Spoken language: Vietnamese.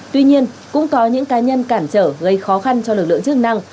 tuy nhiên cũng có những cá nhân cản trở gây khó khăn cho lực lượng chức năng